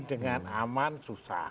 dengan aman susah